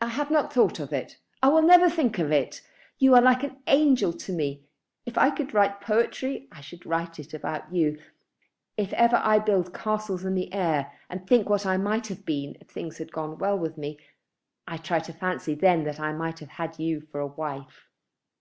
"I have not thought of it. I will never think of it. You are like an angel to me. If I could write poetry, I should write about you. If ever I build castles in the air and think what I might have been if things had gone well with me, I try to fancy then that I might have had you for a wife.